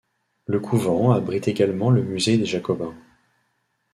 Le couvent abrite également le musée des Jacobins.